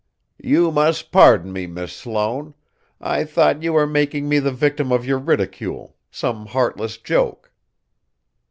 "You must pardon me, Miss Sloane. I thought you were making me the victim of your ridicule, some heartless joke."